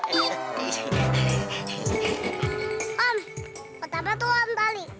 om apa apa tuh om tali